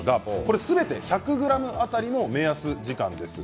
すべて１００ｇ当たりの目安時間です。